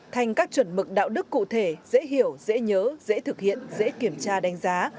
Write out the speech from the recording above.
thành các chuẩn mực đạo đức cụ thể dễ hiểu dễ nhớ dễ thực hiện dễ kiểm tra đánh giá